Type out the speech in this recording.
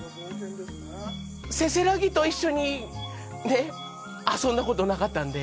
せせらぎと一緒に遊んだことなかったんで。